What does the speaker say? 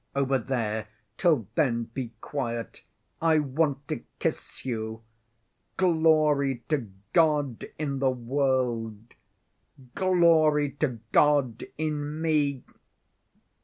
Over there. Till then be quiet. I want to kiss you. Glory to God in the world, Glory to God in me